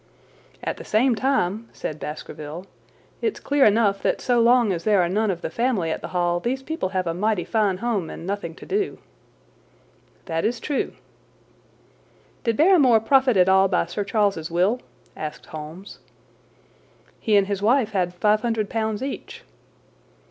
"At the same time," said Baskerville, "it's clear enough that so long as there are none of the family at the Hall these people have a mighty fine home and nothing to do." "That is true." "Did Barrymore profit at all by Sir Charles's will?" asked Holmes. "He and his wife had five hundred pounds each."